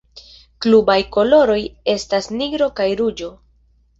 Klubaj koloroj estas nigro kaj ruĝo.